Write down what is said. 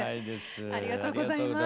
ありがとうございます。